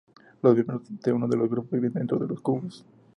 Los miembros de uno de los grupos viven dentro de los cubos.